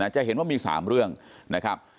จะเห็นว่ามี๓เรื่องนะครับ